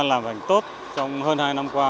làm hành tốt trong hơn hai năm qua